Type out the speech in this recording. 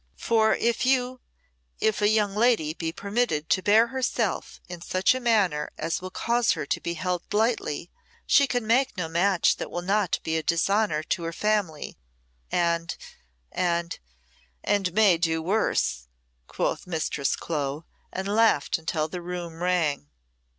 "For if you if a young lady be permitted to bear herself in such a manner as will cause her to be held lightly, she can make no match that will not be a dishonour to her family and and " "And may do worse!" quoth Mistress Clo, and laughed until the room rang.